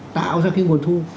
tạo ra cái nguồn thu